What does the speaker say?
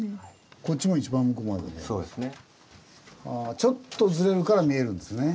ちょっとズレるから見えるんですね。